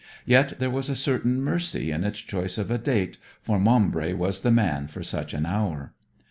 Yet there was a certain mercy in its choice of a date, for Maumbry was the man for such an hour.